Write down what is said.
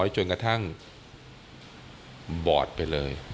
๔๐๐๕๐๐จนกระทั่งบอดไปเลย